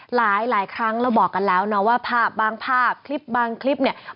หลายครั้งเราบอกกันแล้วนะว่าภาพบางภาพคลิปบางคลิปเนี่ย